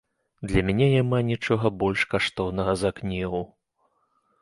Для мяне няма нічога больш каштоўнага за кнігу.